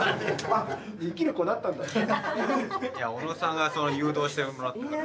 いや小野さんがその誘導してもらったから。